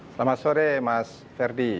selamat sore mas ferdi